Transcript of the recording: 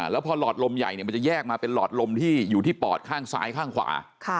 แล้วพอหลอดลมใหญ่มันจะแยกมาเป็นหลอดลมที่อยู่ที่ปอดข้างซ้ายข้างขวา